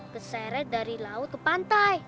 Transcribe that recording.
keseret dari laut ke pantai